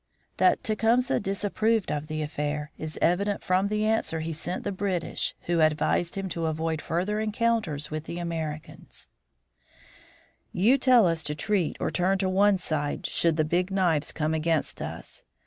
That Tecumseh disapproved of the affair is evident from the answer he sent the British, who advised him to avoid further encounters with the Americans: "You tell us to retreat or turn to one side should the Big Knives come against us.